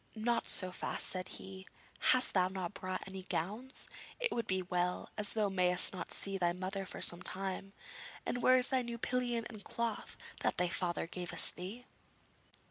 'Not so fast,' said he; 'hast thou not brought any gowns? It would be well, as thou mayst not see thy mother for some time; and where is thy new pillion and cloth that thy father gavest thee?'